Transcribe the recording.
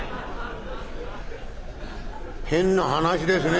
「変な話ですね？